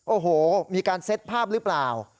โอ้โหมีการเซ็ตภาพหรือเปล่า